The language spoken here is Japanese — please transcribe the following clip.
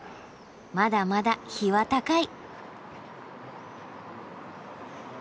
まだまだ日は高い。